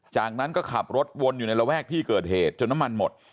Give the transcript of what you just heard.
จากนั้นก็ขับรถวนอยู่ในระแวกที่เกิดเหตุจนน้ำมันหมด